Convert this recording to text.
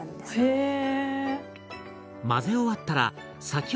へえ。